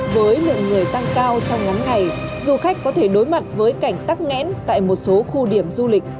với lượng người tăng cao trong ngắn ngày du khách có thể đối mặt với cảnh tắc nghẽn tại một số khu điểm du lịch